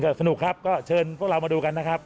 สนุกครับก็เชิญพวกเรามาดูกันนะครับ